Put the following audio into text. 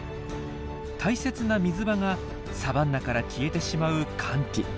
大切な水場がサバンナから消えてしまう乾季。